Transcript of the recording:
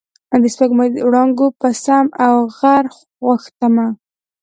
د سپوږمۍ وړانګو په سم او غر غوښتمه